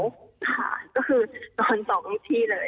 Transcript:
ก็คือนอน๒ที่เลย